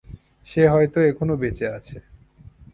সে হয়তো এখনো বেঁচে আছে।